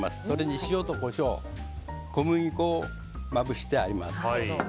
それに塩、コショウ小麦粉をまぶしてあります。